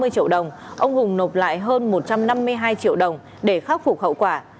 năm mươi triệu đồng ông hùng nộp lại hơn một trăm năm mươi hai triệu đồng để khắc phục hậu quả